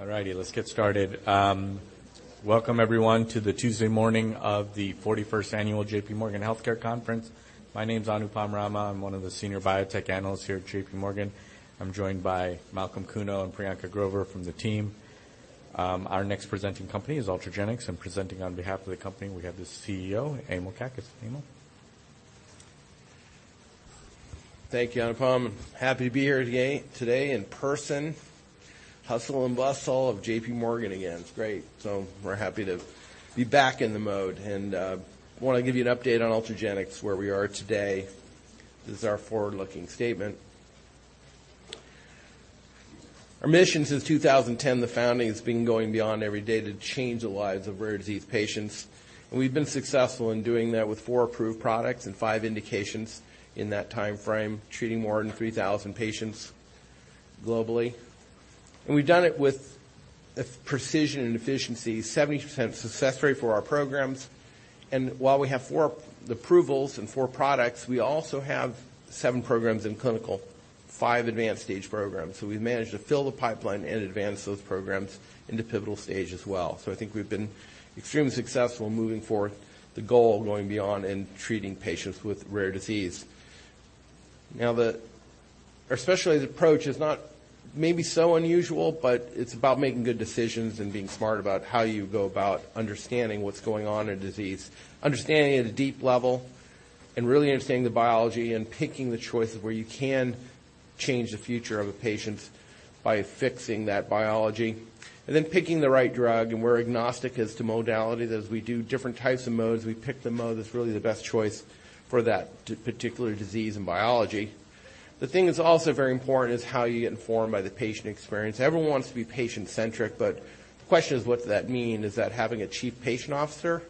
All righty, let's get started. Welcome everyone to the Tuesday morning of the 41st annual J.P. Morgan Health Care Conference. My name's Anupam Rama. I'm one of the senior biotech analysts here at J.P. Morgan. I'm joined by Malcolm Kuno and Priyanka Grover from the team. Our next presenting company is Ultragenyx, and presenting on behalf of the company, we have the CEO, Emil Kakkis. Emil. Thank you, Anupam. Happy to be here again today in person, hustle and bustle of J.P. Morgan again. It's great. We're happy to be back in the mode, and wanna give you an update on Ultragenyx, where we are today. This is our forward-looking statement. Our mission since 2010, the founding, has been going beyond every day to change the lives of rare disease patients. We've been successful in doing that with four approved products and five indications in that timeframe, treating more than 3,000 patients globally. We've done it with a precision and efficiency, 70% success rate for our programs. While we have four approvals and four products, we also have seven programs in clinical, five advanced stage programs. We've managed to fill the pipeline and advance those programs into pivotal stage as well. I think we've been extremely successful in moving forward the goal of going beyond and treating patients with rare disease. Our specialized approach is not maybe so unusual, but it's about making good decisions and being smart about how you go about understanding what's going on in a disease, understanding at a deep level, and really understanding the biology and picking the choices where you can change the future of a patient by fixing that biology. Then picking the right drug, and we're agnostic as to modalities, as we do different types of modes. We pick the mode that's really the best choice for that particular disease and biology. The thing that's also very important is how you get informed by the patient experience. Everyone wants to be patient-centric, but the question is what does that mean? Is that having a chief patient officer?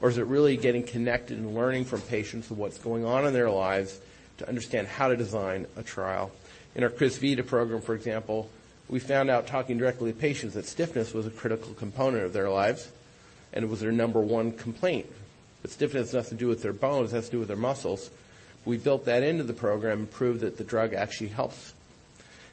Is it really getting connected and learning from patients of what's going on in their lives to understand how to design a trial? In our Crysvita program, for example, we found out talking directly to patients that stiffness was a critical component of their lives. It was their number 1 complaint, but stiffness has nothing to do with their bones. It has to do with their muscles. We built that into the program and proved that the drug actually helps.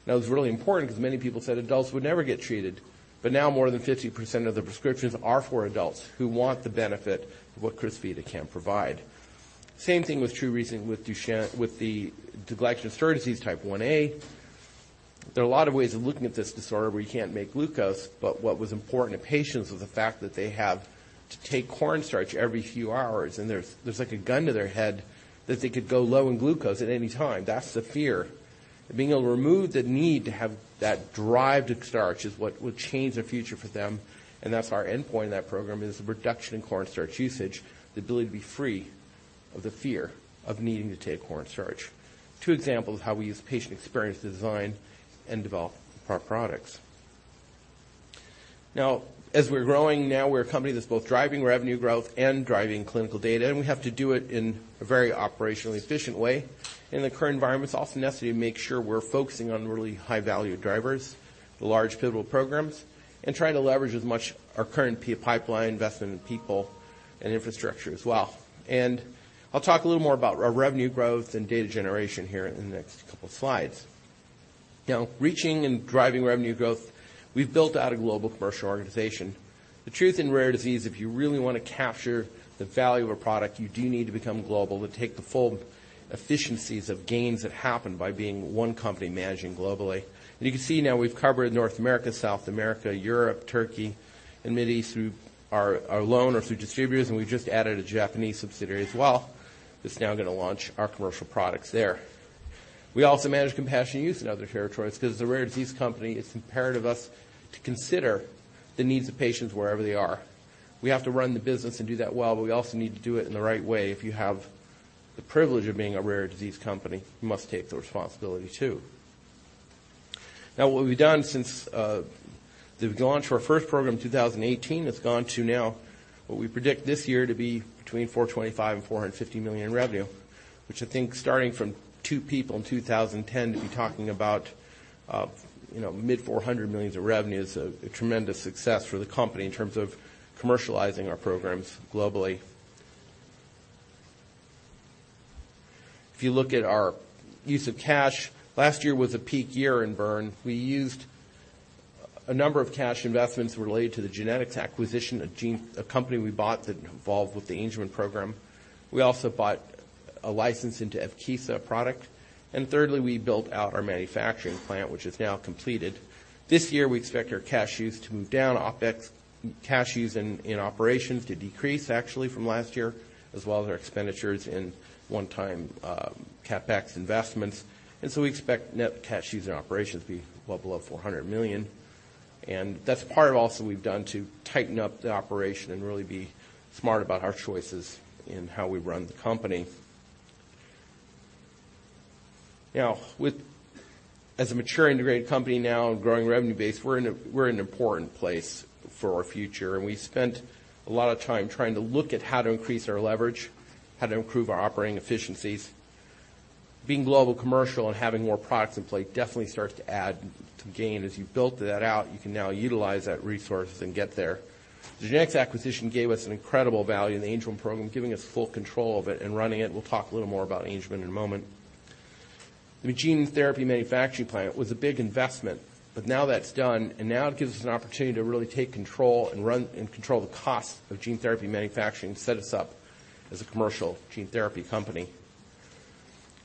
That was really important 'cause many people said adults would never get treated. Now more than 50% of the prescriptions are for adults who want the benefit of what Crysvita can provide. Same thing with Trureason, with Duchenne, with the Glycogen Storage Disease Type Ia. There are a lot of ways of looking at this disorder where you can't make glucose, but what was important to patients was the fact that they have to take cornstarch every few hours, and there's like a gun to their head that they could go low in glucose at any time. That's the fear. Being able to remove the need to have that drive to starch is what would change the future for them, and that's our endpoint in that program is the reduction in cornstarch usage, the ability to be free of the fear of needing to take cornstarch. Two examples of how we use patient experience to design and develop our products. Now, as we're growing, now we're a company that's both driving revenue growth and driving clinical data, and we have to do it in a very operationally efficient way. In the current environment, it's also necessary to make sure we're focusing on really high-value drivers, the large pivotal programs, and trying to leverage as much our current pipeline investment in people and infrastructure as well. I'll talk a little more about our revenue growth and data generation here in the next couple of slides. You know, reaching and driving revenue growth, we've built out a global commercial organization. The truth in rare disease, if you really wanna capture the value of a product, you do need to become global to take the full efficiencies of gains that happen by being one company managing globally. You can see now we've covered North America, South America, Europe, Turkey, and Mideast through our loan or through distributors, and we've just added a Japanese subsidiary as well that's now gonna launch our commercial products there. We also manage compassionate use in other territories 'cause as a rare disease company, it's imperative us to consider the needs of patients wherever they are. We have to run the business and do that well, we also need to do it in the right way. If you have the privilege of being a rare disease company, you must take the responsibility too. Now what we've done since the launch of our first program in 2018, it's gone to now what we predict this year to be between $425 million and $450 million in revenue, which I think starting from two people in 2010 to be talking about, you know, mid $400 millions of revenue is a tremendous success for the company in terms of commercializing our programs globally. If you look at our use of cash, last year was a peak year in burn. We used a number of cash investments related to the GeneTx acquisition, a company we bought that involved with the Angelman program. We also bought a license into Evkeeza product. Thirdly, we built out our manufacturing plant, which is now completed. This year, we expect our cash use to move down, OpEx cash use in operations to decrease actually from last year, as well as our expenditures in one-time CapEx investments. So we expect net cash use in operations to be well below $400 million. That's part of also we've done to tighten up the operation and really be smart about our choices in how we run the company. Now with... As a mature, integrated company now and growing revenue base, we're in an important place for our future. We spent a lot of time trying to look at how to increase our leverage, how to improve our operating efficiencies. Being global commercial and having more products in play definitely starts to add to gain. As you've built that out, you can now utilize that resource and get there. The genetics acquisition gave us an incredible value in the Angelman program, giving us full control of it and running it, and we'll talk a little more about Angelman in a moment. The gene therapy manufacturing plant was a big investment. Now that's done, and now it gives us an opportunity to really take control and run and control the cost of gene therapy manufacturing to set us up as a commercial gene therapy company.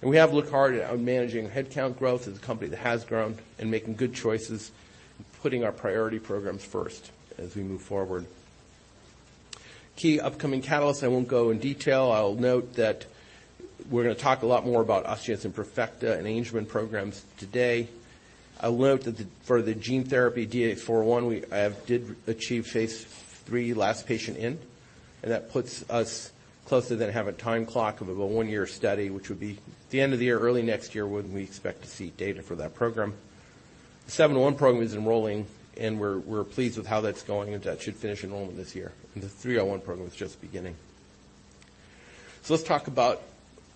We have looked hard at managing headcount growth as a company that has grown and making good choices, putting our priority programs first as we move forward. Key upcoming catalysts, I won't go in detail. I'll note that we're gonna talk a lot more about osteogenesis imperfecta and Angelman programs today. I will note that for the gene therapy DTX401, did achieve phase III last patient in, and that puts us closer than have a time clock of a 1-year study, which would be the end of the year, early next year, when we expect to see data for that program. The seven one program is enrolling, and we're pleased with how that's going, and that should finish enrollment this year. The three oh one program is just beginning. Let's talk about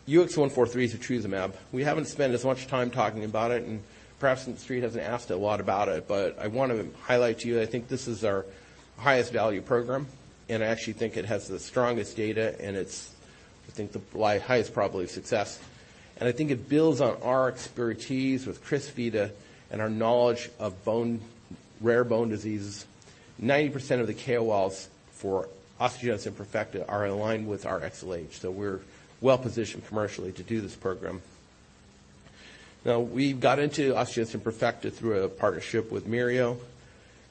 UX143 Setrusumab. We haven't spent as much time talking about it, perhaps the street hasn't asked a lot about it, but I wanna highlight to you, I think this is our highest value program, and I actually think it has the strongest data, and it's I think the highest probability of success. I think it builds on our expertise with Crysvita and our knowledge of bone, rare bone diseases. 90% of the KOLs for osteogenesis imperfecta are aligned with our XLH, we're well-positioned commercially to do this program. Now we got into osteogenesis imperfecta through a partnership with Mereo,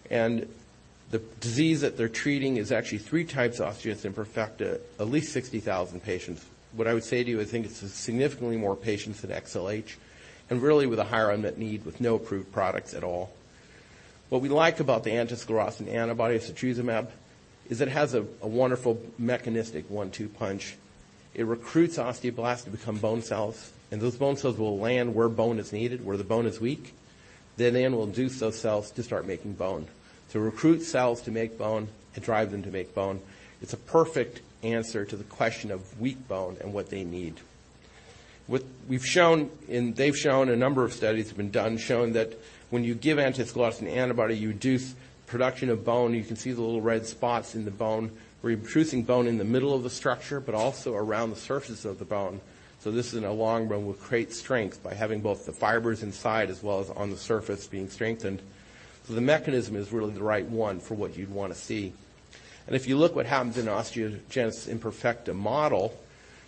the disease that they're treating is actually three types of osteogenesis imperfecta, at least 60,000 patients. What I would say to you, I think it's significantly more patients than XLH and really with a higher unmet need with no approved products at all. What we like about the anti-sclerostin antibody Setrusumab is it has a wonderful mechanistic 1-2 punch. It recruits osteoblasts to become bone cells, and those bone cells will land where bone is needed, where the bone is weak. They then will induce those cells to start making bone. To recruit cells to make bone, to drive them to make bone, it's a perfect answer to the question of weak bone and what they need. What we've shown and they've shown, a number of studies have been done showing that when you give anti-sclerostin antibody, you reduce production of bone. You can see the little red spots in the bone. We're increasing bone in the middle of the structure but also around the surface of the bone. This in the long run will create strength by having both the fibers inside as well as on the surface being strengthened. The mechanism is really the right one for what you'd wanna see. If you look what happens in osteogenesis imperfecta model,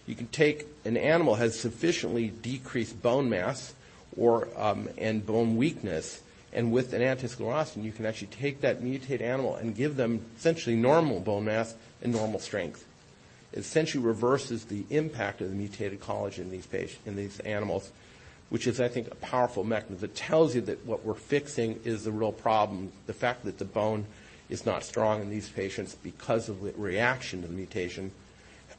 you can take an animal that has sufficiently decreased bone mass or, and bone weakness, and with an anti-sclerostin, you can actually take that mutated animal and give them essentially normal bone mass and normal strength. It essentially reverses the impact of the mutated collagen in these animals, which is I think a powerful mechanism. It tells you that what we're fixing is the real problem, the fact that the bone is not strong in these patients because of the reaction to the mutation.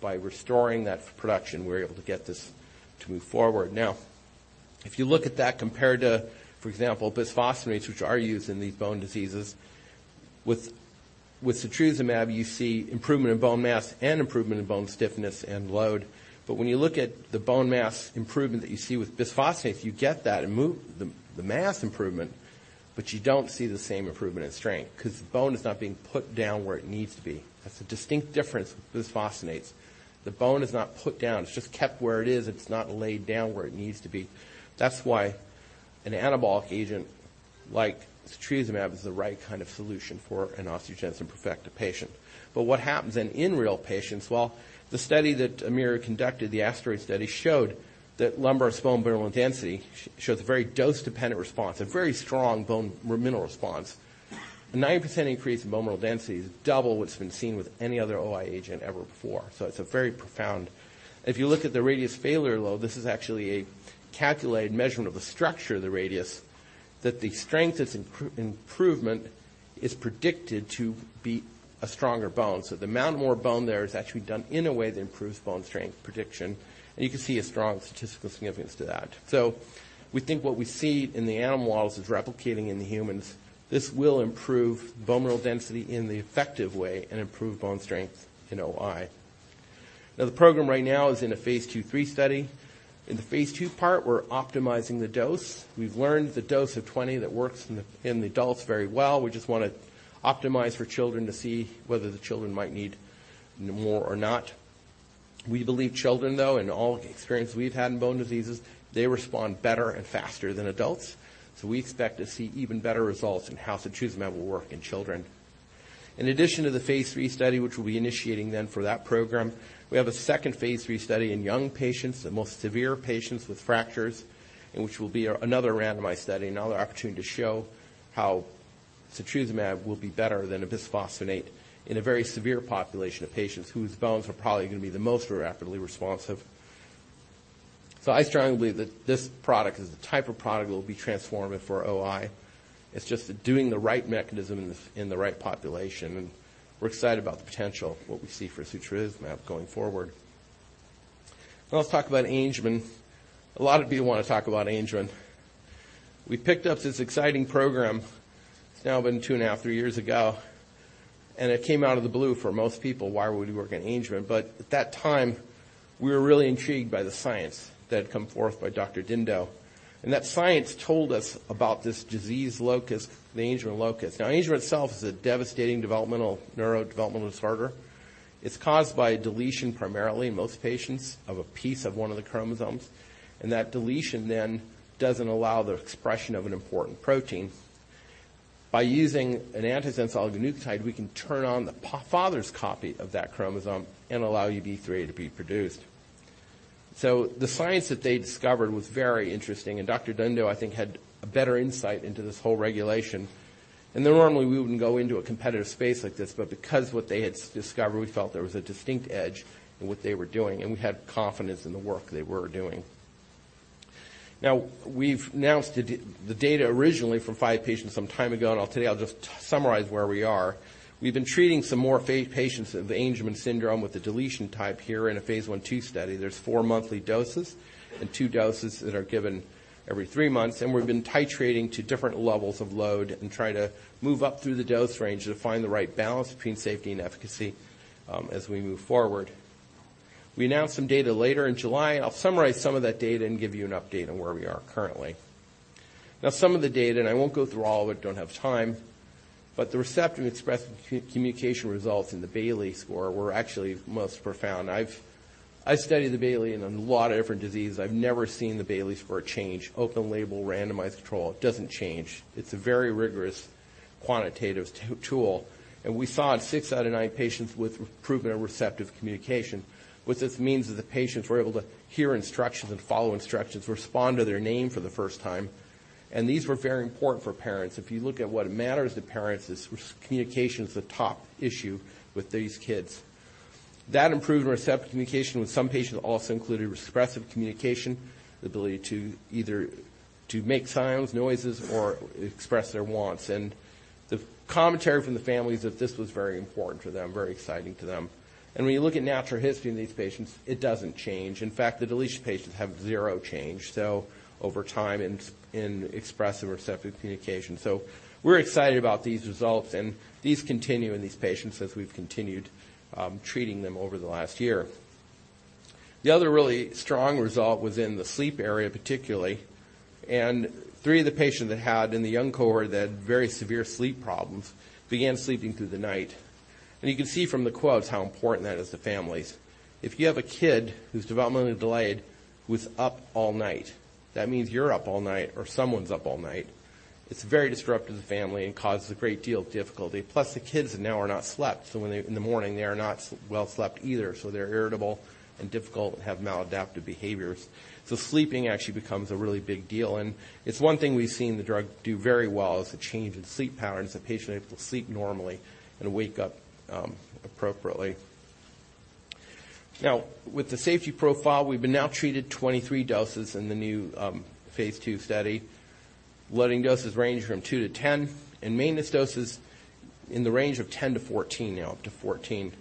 By restoring that production, we're able to get this to move forward. If you look at that compared to, for example, bisphosphonates, with Setrusumab, you see improvement in bone mass and improvement in bone stiffness and load. When you look at the bone mass improvement that you see with bisphosphonates, you get that and move the mass improvement, but you don't see the same improvement in strength 'cause the bone is not being put down where it needs to be. That's a distinct difference with bisphosphonates. The bone is not put down. It's just kept where it is. It's not laid down where it needs to be. That's why an anabolic agent like Setrusumab is the right kind of solution for an osteogenesis imperfecta patient. What happens then in real patients? The study that Amir conducted, the ASTEROID study, showed that lumbar spine bone mineral density shows a very dose-dependent response, a very strong bone mineral response. A 90% increase in bone mineral density is double what's been seen with any other OI agent ever before. It's a very profound. If you look at the radius failure load, this is actually a calculated measurement of the structure of the radius, that the strength improvement is predicted to be a stronger bone. The amount more bone there is actually done in a way that improves bone strength prediction, and you can see a strong statistical significance to that. We think what we see in the animal models is replicating in the humans. This will improve bone mineral density in the effective way and improve bone strength in OI. The program right now is in a phase II/III study. In the phase II part, we're optimizing the dose. We've learned the dose of 20 that works in the adults very well. We just wanna optimize for children to see whether the children might need more or not. We believe children, though, in all the experience we've had in bone diseases, they respond better and faster than adults. We expect to see even better results in how Setrusumab will work in children. In addition to the phase III study, which we'll be initiating then for that program, we have a second phase III study in young patients, the most severe patients with fractures, and which will be another randomized study, another opportunity to show how Setrusumab will be better than a bisphosphonate in a very severe population of patients whose bones are probably gonna be the most rapidly responsive. I strongly believe that this product is the type of product that will be transformative for OI. It's just doing the right mechanism in the right population, and we're excited about the potential, what we see for Setrusumab going forward. Now let's talk about Angelman. A lot of people wanna talk about Angelman. We picked up this exciting program, it's now been 2 and a half, 3 years ago, and it came out of the blue for most people. Why would we work on Angelman? At that time, we were really intrigued by the science that had come forth by Dr. Dindot. That science told us about this disease locus, the Angelman locus. Angelman itself is a devastating developmental neurodevelopmental disorder. It's caused by a deletion primarily in most patients of a piece of one of the chromosomes, and that deletion then doesn't allow the expression of an important protein. By using an antisense oligonucleotide, we can turn on the father's copy of that chromosome and allow UBE3A to be produced. The science that they discovered was very interesting, and Dr. Scott Dindot, I think, had a better insight into this whole regulation. Normally we wouldn't go into a competitive space like this, but because what they had discovered, we felt there was a distinct edge in what they were doing, and we had confidence in the work they were doing. We've announced the data originally from 5 patients some time ago, and I'll tell you, I'll just summarize where we are. We've been treating some more patients of Angelman syndrome with the deletion type here in a phase I/II study. There's 4 monthly doses and 2 doses that are given every 3 months, and we've been titrating to different levels of load and trying to move up through the dose range to find the right balance between safety and efficacy as we move forward. We announced some data later in July. I'll summarize some of that data and give you an update on where we are currently. Now, some of the data, and I won't go through all of it, don't have time, but the receptive expressive communication results in the Bayley score were actually most profound. I've studied the Bayley in a lot of different diseases. I've never seen the Bayley score change. Open label, randomized control, it doesn't change. It's a very rigorous quantitative tool, and we saw in 6 out of 9 patients with improvement in receptive communication. What this means is the patients were able to hear instructions and follow instructions, respond to their name for the first time, and these were very important for parents. If you look at what matters to parents, communication is the top issue with these kids. That improvement in receptive communication with some patients also included expressive communication, the ability to either to make sounds, noises, or express their wants. The commentary from the families that this was very important to them, very exciting to them. When you look at natural history in these patients, it doesn't change. In fact, the deletion patients have zero change, so over time in expressive receptive communication. We're excited about these results, and these continue in these patients as we've continued treating them over the last year. The other really strong result was in the sleep area particularly, and three of the patients that had in the young cohort that had very severe sleep problems began sleeping through the night. You can see from the quotes how important that is to families. If you have a kid who's developmentally delayed who's up all night, that means you're up all night or someone's up all night. It's very disruptive to the family and causes a great deal of difficulty. The kids now are not slept, in the morning they are not well slept either, they're irritable and difficult and have maladaptive behaviors. Sleeping actually becomes a really big deal, and it's one thing we've seen the drug do very well is a change in sleep patterns. The patient is able to sleep normally and wake up appropriately. With the safety profile, we've been now treated 23 doses in the new phase II study. Loading doses range from 2-10, maintenance doses in the range of 10-14 now, up to 14.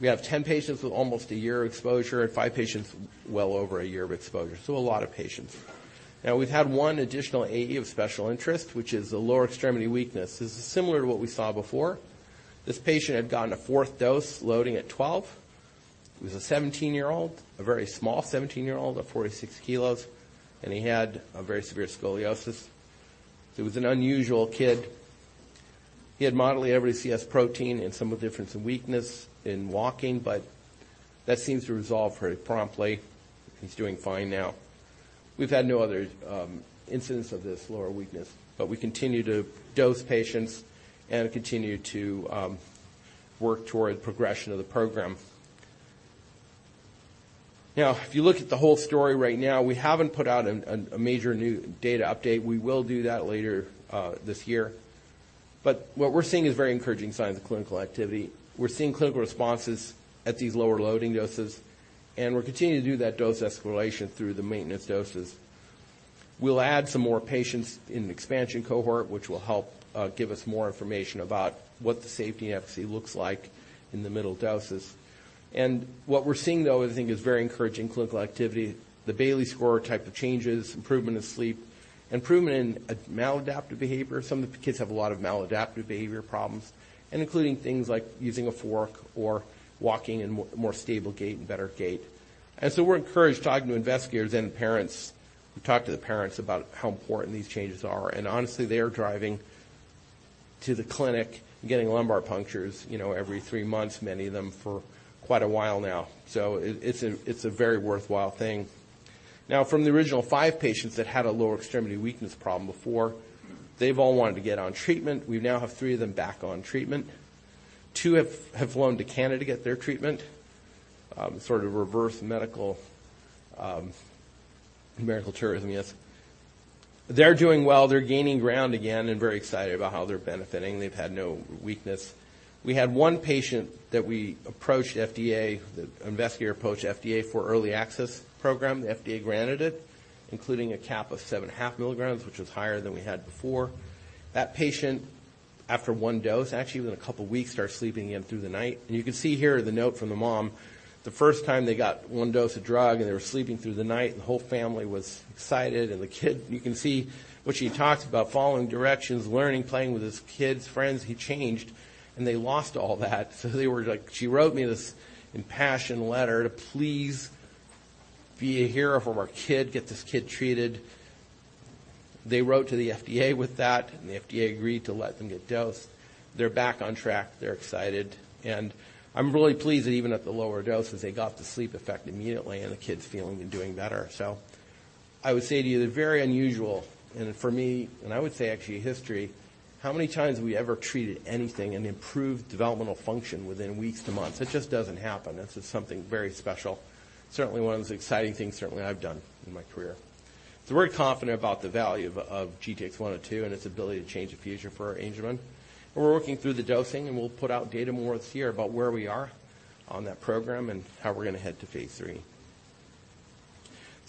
We have 10 patients with almost a year of exposure and five patients well over a year of exposure, a lot of patients. We've had one additional AE of special interest, which is the lower extremity weakness. This is similar to what we saw before. This patient had gotten a 4th dose loading at 12. He was a 17-year-old, a very small 17-year-old of 46 kilos, and he had a very severe scoliosis. He was an unusual kid. He had moderately every AS protein and some difference in weakness in walking, but that seems to resolve very promptly. He's doing fine now. We've had no other incidents of this lower weakness, but we continue to dose patients and continue to work toward progression of the program. If you look at the whole story right now, we haven't put out a major new data update. We will do that later this year. What we're seeing is very encouraging signs of clinical activity. We're seeing clinical responses at these lower loading doses, and we're continuing to do that dose escalation through the maintenance doses. We'll add some more patients in an expansion cohort, which will help give us more information about what the safety and efficacy looks like in the middle doses. What we're seeing, though, I think is very encouraging clinical activity. The Bayley score type of changes, improvement of sleep, improvement in maladaptive behavior. Some of the kids have a lot of maladaptive behavior problems, including things like using a fork or walking in more stable gait and better gait. We're encouraged talking to investigators and parents. We've talked to the parents about how important these changes are, and honestly they are driving to the clinic and getting lumbar punctures every three months, many of them for quite a while now. It's a very worthwhile thing. Now from the original five patients that had a lower extremity weakness problem before, they've all wanted to get on treatment. We now have 3 of them back on treatment. 2 have flown to Canada to get their treatment, sort of reverse medical tourism, yes. They're doing well. They're gaining ground again and very excited about how they're benefiting. They've had no weakness. We had 1 patient that we approached FDA, the investigator approached FDA for early access program. The FDA granted it, including a cap of 7.5 milligrams, which was higher than we had before. That patient, after 1 dose, actually within a couple weeks started sleeping in through the night. You can see here the note from the mom. The first time they got 1 dose of drug and they were sleeping through the night, the whole family was excited. The kid, you can see what she talks about, following directions, learning, playing with his kids, friends. He changed, and they lost all that. They were like, she wrote me this impassioned letter to please be a hero for our kid, get this kid treated. They wrote to the FDA with that. The FDA agreed to let them get dosed. They're back on track, they're excited. I'm really pleased that even at the lower doses, they got the sleep effect immediately, and the kid's feeling and doing better. I would say to you, they're very unusual, and for me, and I would say actually history, how many times have we ever treated anything and improved developmental function within weeks to months? It just doesn't happen. This is something very special. Certainly one of the exciting things certainly I've done in my career. We're confident about the value of GTX-102 and its ability to change the future for our Angelman. We're working through the dosing, and we'll put out data more this year about where we are on that program and how we're going to head to phase III.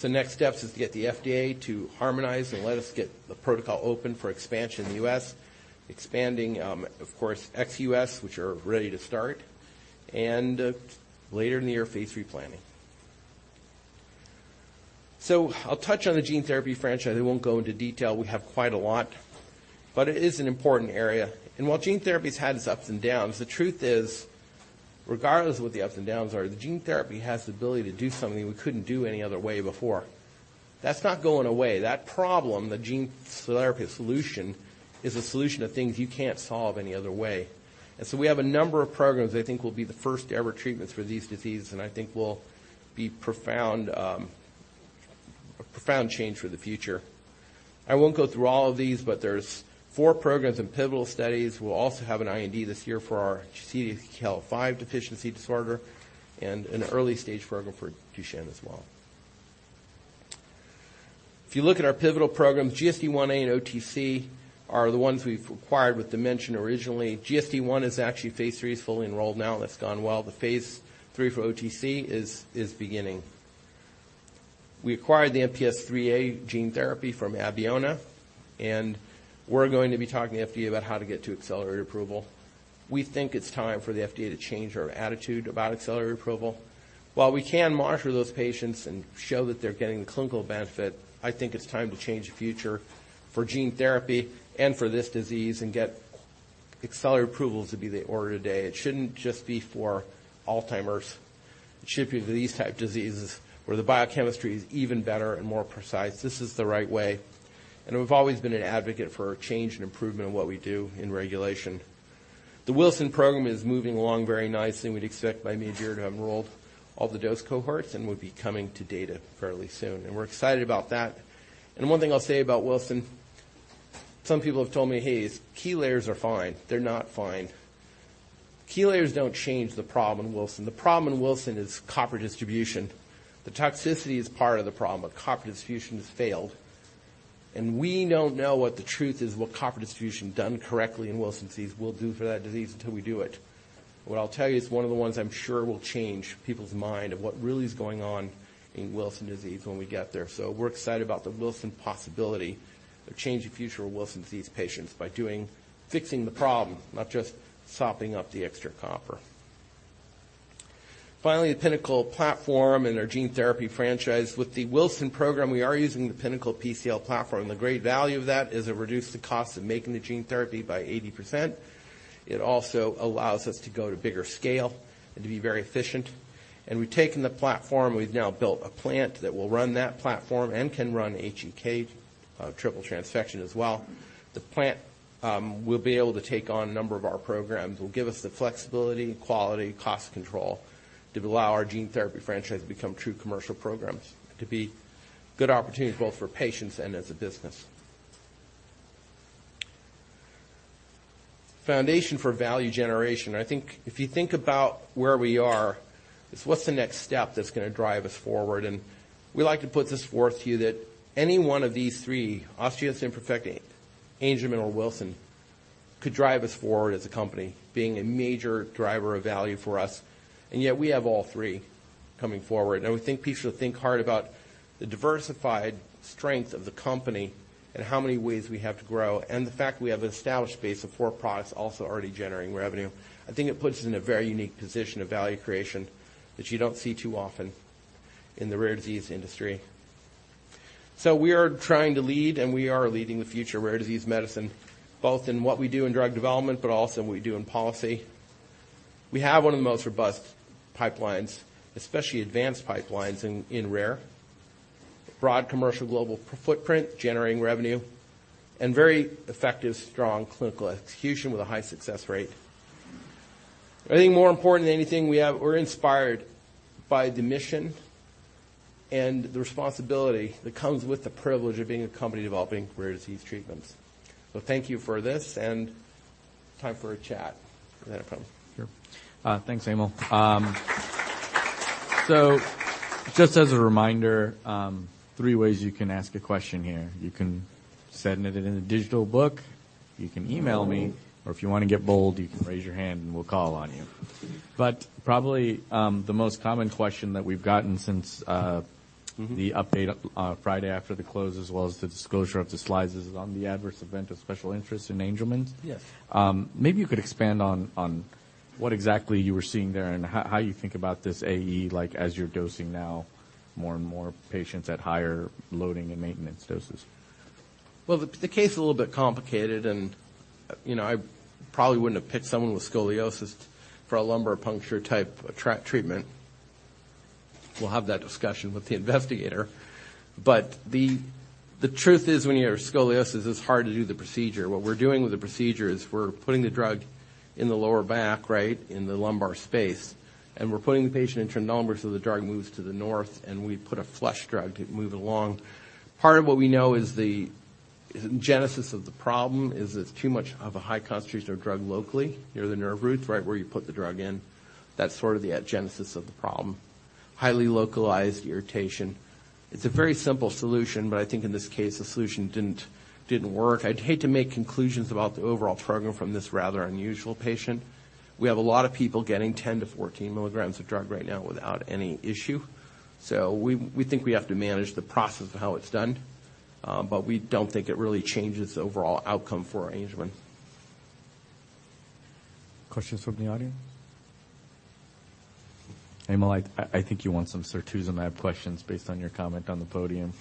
Next steps is to get the FDA to harmonize and let us get the protocol open for expansion in the U.S., expanding, of course, ex-U.S., which are ready to start, and later in the year, phase III planning. I'll touch on the gene therapy franchise. I won't go into detail. We have quite a lot, but it is an important area. While gene therapy's had its ups and downs, the truth is, regardless of what the ups and downs are, the gene therapy has the ability to do something we couldn't do any other way before. That's not going away. That problem, the gene therapy solution, is a solution to things you can't solve any other way. We have a number of programs I think will be the first-ever treatments for these diseases, and I think will be profound, a profound change for the future. I won't go through all of these, but there's 4 programs and pivotal studies. We'll also have an IND this year for our CDKL5 deficiency disorder and an early-stage program for Duchenne as well. If you look at our pivotal programs, GSDIa and OTC are the ones we've acquired with Dimension originally. GSDIa is actually phase III is fully enrolled now, and it's gone well. The phase III for OTC is beginning. We acquired the MPS IIIA gene therapy from Abeona, and we're going to be talking to FDA about how to get to Accelerated Approval. We think it's time for the FDA to change their attitude about Accelerated Approval. While we can monitor those patients and show that they're getting clinical benefit, I think it's time to change the future for gene therapy and for this disease and get Accelerated Approvals to be the order of the day. It shouldn't just be for Alzheimer's. It should be for these type diseases where the biochemistry is even better and more precise. This is the right way. We've always been an advocate for change and improvement in what we do in regulation. The Wilson disease program is moving along very nicely. We'd expect by mid-year to have enrolled all the dose cohorts. We'll be coming to data fairly soon. We're excited about that. One thing I'll say about Wilson disease, some people have told me, "Hey, his KOLs are fine." They're not fine. KOLs don't change the problem in Wilson disease. The problem in Wilson is copper distribution. The toxicity is part of the problem, but copper distribution has failed, and we don't know what the truth is, what copper distribution done correctly in Wilson disease will do for that disease until we do it. What I'll tell you, it's one of the ones I'm sure will change people's mind of what really is going on in Wilson disease when we get there. We're excited about the Wilson possibility of changing the future of Wilson's disease patients by fixing the problem, not just sopping up the extra copper. Finally, the Pinnacle platform and our gene therapy franchise. With the Wilson program, we are using the Pinnacle PCL platform. The great value of that is it reduced the cost of making the gene therapy by 80%. It also allows us to go to bigger scale and to be very efficient. We've taken the platform, we've now built a plant that will run that platform and can run HEK triple transfection as well. The plant will be able to take on a number of our programs, will give us the flexibility, quality, cost control to allow our gene therapy franchise to become true commercial programs, to be good opportunities both for patients and as a business. Foundation for value generation. I think if you think about where we are, it's what's the next step that's gonna drive us forward? We like to put this forth to you that any one of these 3, osteogenesis imperfecta, Angelman, or Wilson, could drive us forward as a company, being a major driver of value for us, and yet we have all 3 coming forward. I would think people should think hard about the diversified strength of the company and how many ways we have to grow, and the fact that we have an established base of four products also already generating revenue. I think it puts us in a very unique position of value creation that you don't see too often in the rare disease industry. We are trying to lead, and we are leading the future of rare disease medicine, both in what we do in drug development, but also in what we do in policy. We have one of the most robust pipelines, especially advanced pipelines in rare. Broad commercial global footprint generating revenue, and very effective, strong clinical execution with a high success rate. I think more important than anything we have, we're inspired by the mission and the responsibility that comes with the privilege of being a company developing rare disease treatments. Thank you for this, and time for a chat. Is that a problem? Sure. Thanks, Emil. Just as a reminder, 3 ways you can ask a question here. You can send it in a digital book, you can email me, or if you wanna get bold, you can raise your hand, and we'll call on you. Probably, the most common question that we've gotten since, Mm-hmm. the update, Friday after the close, as well as the disclosure of the slides, is on the adverse event of special interest in Angelman. Yes. Maybe you could expand on what exactly you were seeing there and how you think about this AE, like, as you're dosing now more and more patients at higher loading and maintenance doses. The, the case is a little bit complicated, and, you know, I probably wouldn't have picked someone with scoliosis for a lumbar puncture type treatment. We'll have that discussion with the investigator. The, the truth is, when you have scoliosis, it's hard to do the procedure. What we're doing with the procedure is we're putting the drug in the lower back, right? In the lumbar space, and we're putting the patient in Trendelenburg, so the drug moves to the north, and we put a flush drug to move it along. Part of what we know is the genesis of the problem is it's too much of a high concentration of drug locally near the nerve roots, right where you put the drug in. That's sort of the genesis of the problem. Highly localized irritation. It's a very simple solution. I think in this case, the solution didn't work. I'd hate to make conclusions about the overall program from this rather unusual patient. We have a lot of people getting 10-14 milligrams of drug right now without any issue. We think we have to manage the process of how it's done, but we don't think it really changes the overall outcome for our enrollment. Questions from the audience? Emil, I think you want some Setrusumab questions based on your comment on the podium.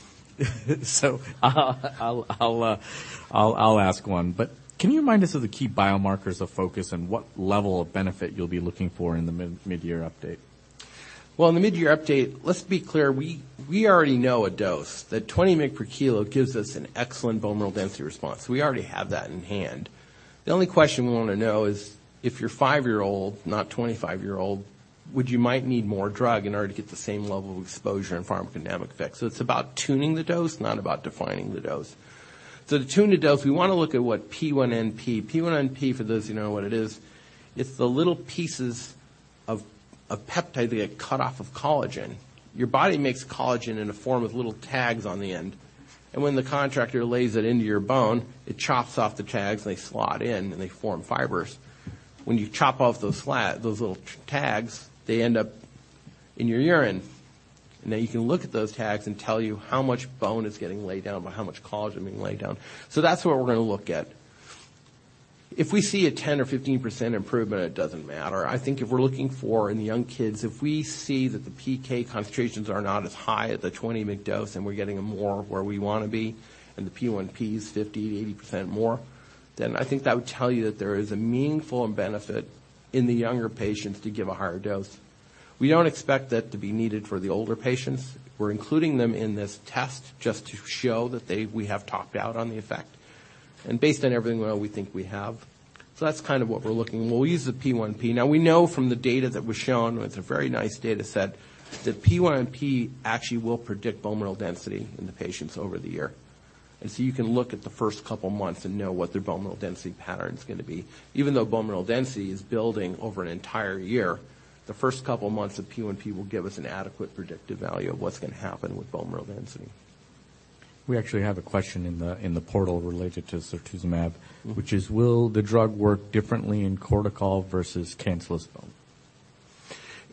I'll ask one. Can you remind us of the key biomarkers of focus and what level of benefit you'll be looking for in the mid-year update? Well, in the mid-year update, let's be clear. We already know a dose. That 20 mg per kilo gives us an excellent bone mineral density response. We already have that in hand. The only question we wanna know is, if you're 5 year old, not 25 year old, would you might need more drug in order to get the same level of exposure and pharmacodynamic effects? It's about tuning the dose, not about defining the dose. To tune the dose, we wanna look at what P1NP. P1NP, for those who know what it is, it's the little pieces of peptide that get cut off of collagen. Your body makes collagen in a form with little tags on the end, when the contractor lays it into your bone, it chops off the tags, and they slot in, and they form fibers. When you chop off those those little tags, they end up in your urine. Now you can look at those tags and tell you how much bone is getting laid down by how much collagen being laid down. That's what we're gonna look at. If we see a 10% or 15% improvement, it doesn't matter. I think if we're looking for in the young kids, if we see that the PK concentrations are not as high at the 20 mg dose and we're getting them more where we wanna be and the P1NP is 50%, 80% more, then I think that would tell you that there is a meaningful benefit in the younger patients to give a higher dose. We don't expect that to be needed for the older patients. We're including them in this test just to show that they, we have topped out on the effect and based on everything, well, we think we have. That's kind of what we're looking. We'll use the P1NP. Now we know from the data that was shown, it's a very nice data set, that P1NP actually will predict bone mineral density in the patients over the year. So you can look at the first couple months and know what their bone mineral density pattern is gonna be. Even though bone mineral density is building over an entire year, the first couple months of P1NP will give us an adequate predictive value of what's gonna happen with bone mineral density. We actually have a question in the, in the portal related to Setrusumab. Mm-hmm. Which is, will the drug work differently in cortical versus cancellous bone?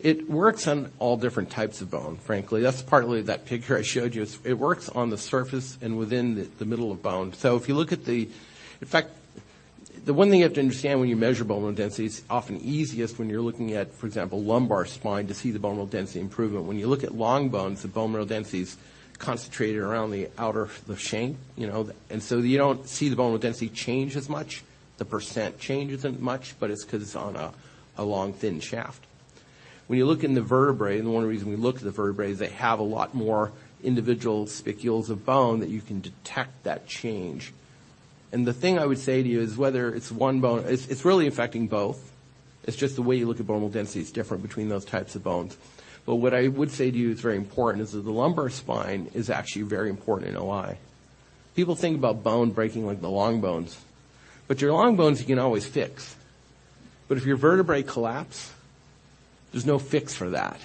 It works on all different types of bone, frankly. That's partly that picture I showed you. It works on the surface and within the middle of bone. If you look at the, in fact, the one thing you have to understand when you measure bone mineral density, it's often easiest when you're looking at, for example, lumbar spine to see the bone mineral density improvement. When you look at long bones, the bone mineral density is concentrated around the outer, the shank, you know. You don't see the bone mineral density change as much. The percent change isn't much, but it's 'cause it's on a long, thin shaft. When you look in the vertebrae, and one of the reasons we look at the vertebrae is they have a lot more individual spicules of bone that you can detect that change. The thing I would say to you is whether it's one bone. It's really affecting both. It's just the way you look at bone mineral density is different between those types of bones. What I would say to you is very important is that the lumbar spine is actually very important in OI. People think about bone breaking like the long bones, but your long bones you can always fix. If your vertebrae collapse, there's no fix for that.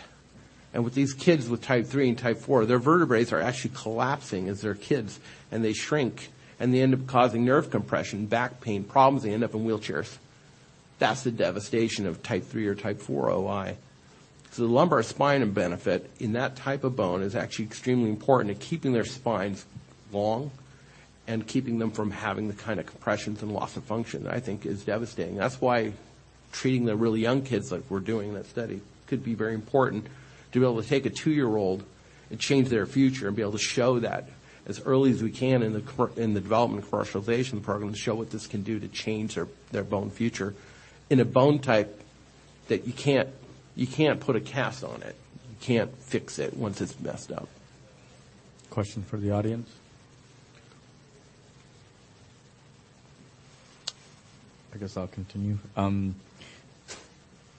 With these kids with Type III and Type IV, their vertebrae are actually collapsing as they're kids, and they shrink, and they end up causing nerve compression, back pain problems. They end up in wheelchairs. That's the devastation of Type III or Type IV OI. The lumbar spine benefit in that type of bone is actually extremely important to keeping their spines long and keeping them from having the kind of compressions and loss of function that I think is devastating. That's why treating the really young kids like we're doing in that study could be very important to be able to take a two-year-old and change their future and be able to show that as early as we can in the in the development and commercialization program to show what this can do to change their bone future in a bone type that you can't, you can't put a cast on it. You can't fix it once it's messed up. Question from the audience? I guess I'll continue.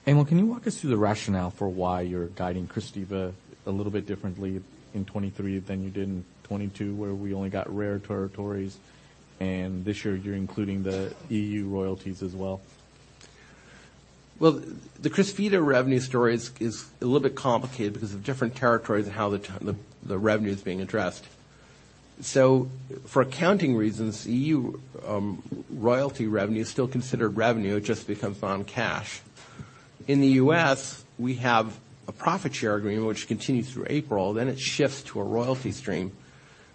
Emil, can you walk us through the rationale for why you're guiding Crysvita a little bit differently in 2023 than you did in 2022, where we only got rare territories, and this year you're including the EU royalties as well? The Crysvita revenue story is a little bit complicated because of different territories and how the revenue is being addressed. For accounting reasons, EU royalty revenue is still considered revenue. It just becomes non-cash. In the U.S., we have a profit share agreement which continues through April, then it shifts to a royalty stream,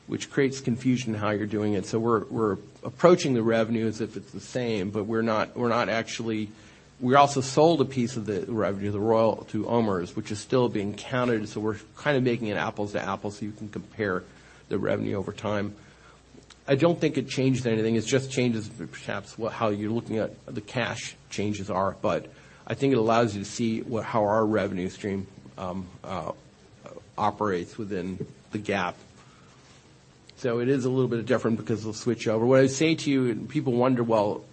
which creates confusion in how you're doing it. We're approaching the revenue as if it's the same, but we're not actually. We also sold a piece of the revenue to OMERS, which is still being counted, so we're kind of making it apples to apples, so you can compare the revenue over time. I don't think it changed anything. It just changes perhaps how you're looking at the cash changes are. I think it allows you to see what. how our revenue stream operates within the GAAP. It is a little bit different because we'll switch over. What I say to you and people wonder, well,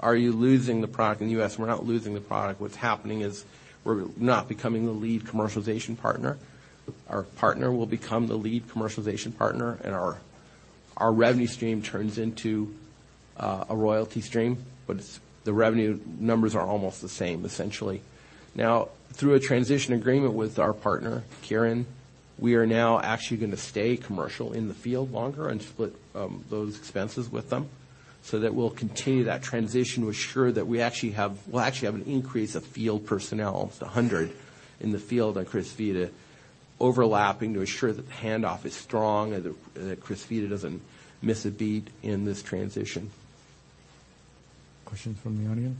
are you losing the product in the U.S.? We're not losing the product. What's happening is we're not becoming the lead commercialization partner. Our partner will become the lead commercialization partner, and our revenue stream turns into a royalty stream. It's, the revenue numbers are almost the same, essentially. Through a transition agreement with our partner, Kirin, we are now actually gonna stay commercial in the field longer and split those expenses with them. That we'll continue that transition to ensure that we actually have... We'll actually have an increase of field personnel, 100 in the field at Crysvita overlapping to ensure that the handoff is strong and that Crysvita doesn't miss a beat in this transition. Questions from the audience?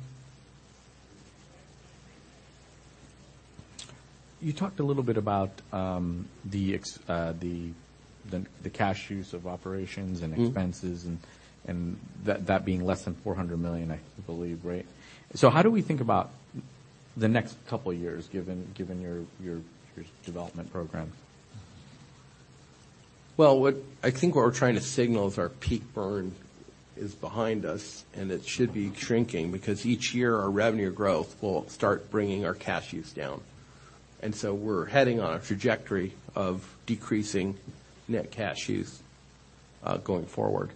You talked a little bit about the cash use of operations and-. Mm-hmm. Expenses and that being less than $400 million, I believe, right? How do we think about the next couple of years given your development program? Well, I think what we're trying to signal is our peak burn is behind us, and it should be shrinking because each year our revenue growth will start bringing our cash use down. We're heading on a trajectory of decreasing net cash use, going forward.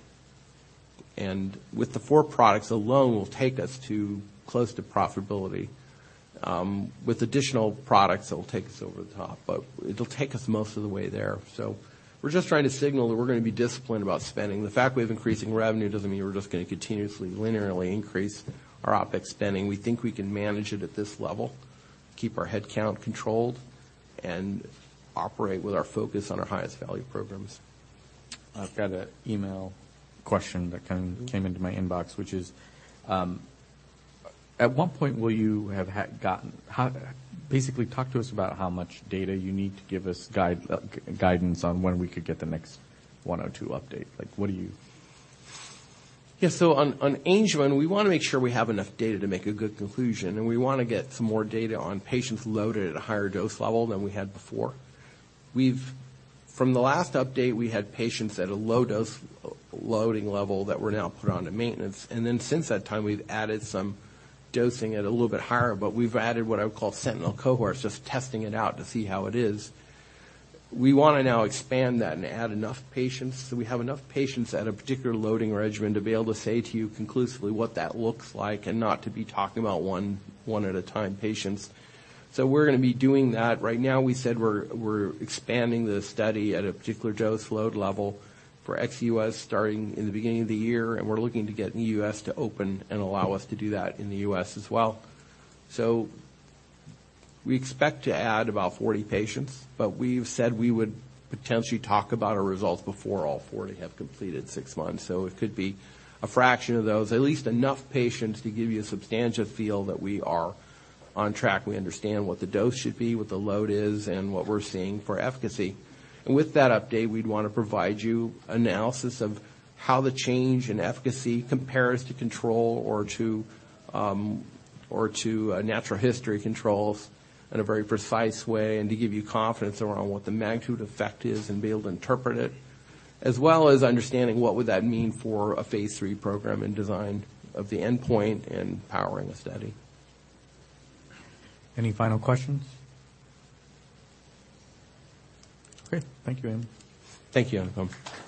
With the 4 products alone will take us to close to profitability, with additional products that will take us over the top. It'll take us most of the way there. We're just trying to signal that we're gonna be disciplined about spending. The fact we have increasing revenue doesn't mean we're just gonna continuously linearly increase our OpEx spending. We think we can manage it at this level, keep our headcount controlled, and operate with our focus on our highest value programs. I've got a email question that kind of came into my inbox, which is, at what point will you have gotten, Basically, talk to us about how much data you need to give us guidance on when we could get the next 102 update? Like, what are you. Yeah. On Angelman, we wanna make sure we have enough data to make a good conclusion, and we wanna get some more data on patients loaded at a higher dose level than we had before. From the last update, we had patients at a low dose loading level that were now put onto maintenance. Since that time, we've added some dosing at a little bit higher, but we've added what I would call sentinel cohorts, just testing it out to see how it is. We wanna now expand that and add enough patients, so we have enough patients at a particular loading regimen to be able to say to you conclusively what that looks like and not to be talking about one at a time patients. We're gonna be doing that. Right now, we said we're expanding the study at a particular dose load level for ex-US starting in the beginning of the year, and we're looking to get the US to open and allow us to do that in the US as well. We expect to add about 40 patients, we've said we would potentially talk about our results before all 40 have completed six months. It could be a fraction of those, at least enough patients to give you a substantial feel that we are on track. We understand what the dose should be, what the load is, and what we're seeing for efficacy. With that update, we'd wanna provide you analysis of how the change in efficacy compares to control or to, or to natural history controls in a very precise way and to give you confidence around what the magnitude effect is and be able to interpret it, as well as understanding what would that mean for a phase III program and design of the endpoint and powering the study. Any final questions? Great. Thank you, Andrew. Thank you.